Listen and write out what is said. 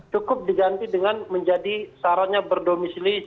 cukup diganti dengan menjadi syaratnya berdomisili